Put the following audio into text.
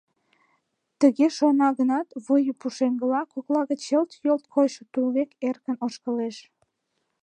Тыге шона гынат, Выю пушеҥгыла кокла гыч йылт-йолт койшо тул век эркын ошкылеш.